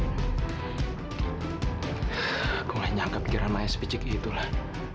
aku gak nyangka pikiran maya sepicik itulah